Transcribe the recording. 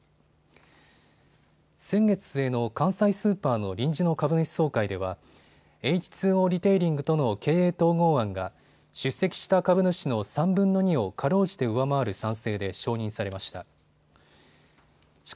先月末の関西スーパーの臨時の株主総会ではエイチ・ツー・オーリテイリングとの経営統合案が出席した株主の３分の２をかろうじて上回る賛成で承認されました。